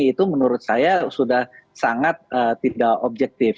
itu menurut saya sudah sangat tidak objektif